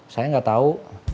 saya gak tahu